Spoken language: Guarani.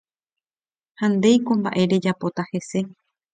Ha ndéiko mba'e rejapóta hese.